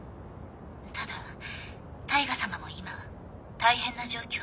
ただ大海さまも今大変な状況のようでして。